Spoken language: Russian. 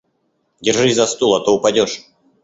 Держись за стул, а то упадешь.